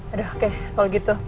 aduh oke kalau gitu